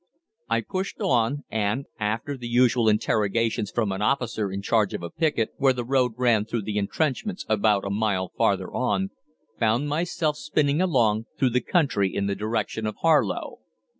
"I pushed on, and, after the usual interrogations from an officer in charge of a picket, where the road ran through the entrenchments about a mile farther on, found myself spinning along through the country in the direction of Harlow.